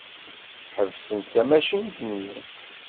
Ḥebsent tamacint-nni.